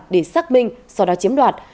để xác minh sau đó chiếm đoạt